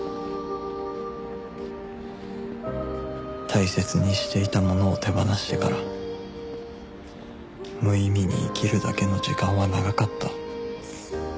大切にしていたものを手放してから無意味に生きるだけの時間は長かった